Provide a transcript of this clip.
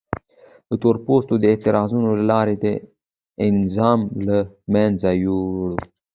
تور پوستو د اعتراضونو له لارې دا نظام له منځه یووړ.